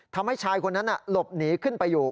ทำให้ชายคนนั้นหลบหนีขึ้นไปอยู่